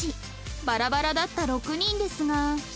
バラバラだった６人ですが